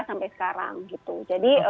sampai sekarang gitu jadi